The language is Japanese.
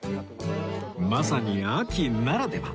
まさに秋ならでは